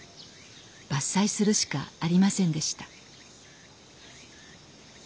伐採するしかありませんでした。